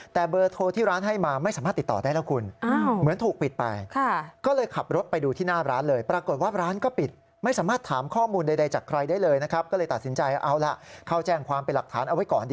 แต่เบอร์โทรที่ร้านให้มาไม่สามารถติดต่อได้แล้วคุณ